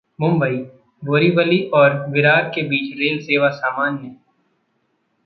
मुंबई: बोरीवली और विरार के बीच रेल सेवा सामान्य